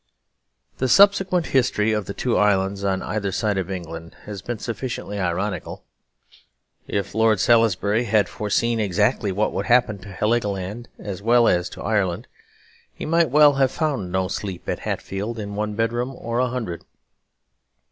The subsequent history of the two islands on either side of England has been sufficiently ironical. If Lord Salisbury had foreseen exactly what would happen to Heligoland, as well as to Ireland, he might well have found no sleep at Hatfield in one bedroom or a hundred.